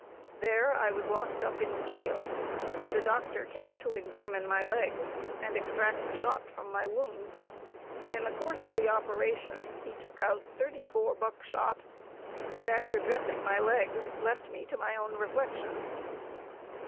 There I was locked up in the jail, and a doctor came to examine my legs, and extract the shot from my wounds. In the course of the operation he took out thirty four buck shot, and after dressing my legs left me to my own reflections.